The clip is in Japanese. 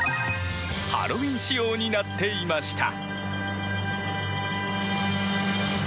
ハロウィーン仕様になっていました。